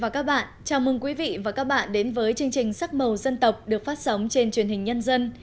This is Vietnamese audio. chào mừng quý vị và các bạn đến với chương trình sắc màu dân tộc được phát sóng trên truyền hình nhân dân